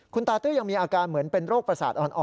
คุณตาตื้อยังมีอาการเหมือนเป็นโรคประสาทอ่อน